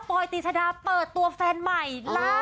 ปอยตีชะดาเปิดตัวแฟนใหม่